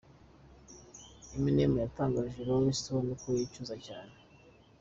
Eminem yatangarije Rolling Stone ko yicuza cyane.